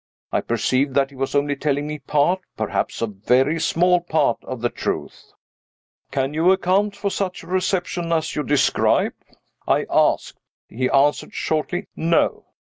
I perceived that he was only telling me a part (perhaps a very small part) of the truth. "Can you account for such a reception as you describe?" I asked. He answered shortly, "No."